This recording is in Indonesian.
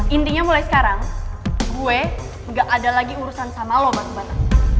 intinya mulai sekarang gue gak ada lagi urusan sama lo bas mata